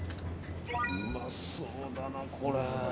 うまそうだな、これ。